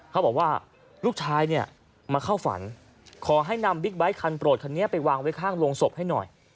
เขาบอกว่าลูกชายเนี่ยมาเข้าฝันขอให้นำบิ๊กไบท์คันโปรดคันนี้ไปวางไว้ข้างโรงศพให้หน่อย